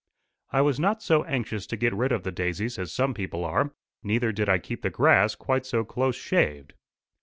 I was not so anxious to get rid of the daisies as some people are. Neither did I keep the grass quite so close shaved.